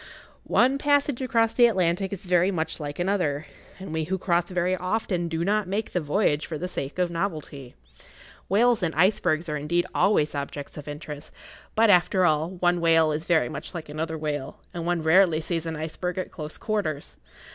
One passage across the Atlantic is very much like another, and we who cross very often do not make the voyage for the sake of novelty. Whales and icebergs are indeed always objects of interest, but, after all, one whale is very much like another whale, and one rarely sees an iceberg at close quarters.